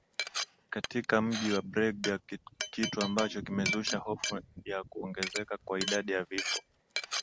katika mji wa brega kitu ambacho kimezusha hofu ya kuongezeka kwa idadi ya vifo